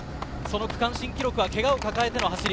区間新記録はけがを抱えての走り。